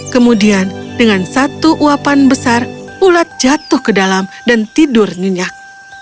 kemudian dengan satu uapan besar ulat jatuh ke dalam dan tidur nyenyak